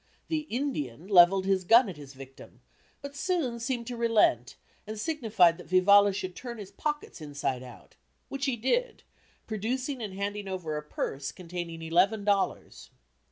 The "Indian" levelled his gun at his victim, but soon seemed to relent and signified that Vivalla should turn his pockets inside out which he did, producing and handing over a purse, containing eleven dollars.